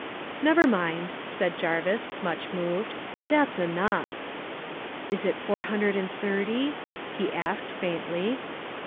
"'Never mind,' said Jarvis, much moved, 'that's enough.' "'Is it four hundred and thirty?' he asked faintly.